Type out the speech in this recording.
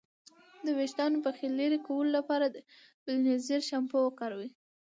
د ویښتانو پخې لرې کولو لپاره بیلینزر شامپو وکاروئ.